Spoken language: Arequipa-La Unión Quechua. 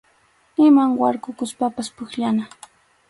Imaman warkukuspapas pukllana.